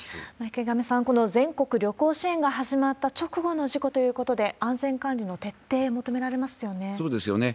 池上さん、この全国旅行支援が始まった直後の事故ということで、安全管理の徹底、求められますよね。